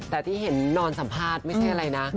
แต่ที่เห็นนอนสัมภาษณ์ไม่ใช่อะไรนะ